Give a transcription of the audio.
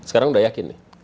sekarang sudah yakin nih